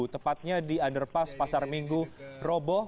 tepatnya di underpass pasar minggu roboh